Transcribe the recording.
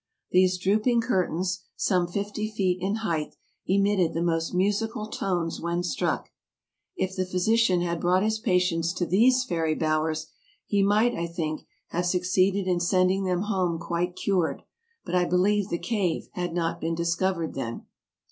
These drooping curtains, some fifty feet in height, emitted the most musical tones when struck. If the physician had brought vol. vi. — 6 68 TRAVELERS AND EXPLORERS his patients to these fairy bowers, he might, I think, have succeeded in sending them home quite cured, but I believe the cave had not been discovered then.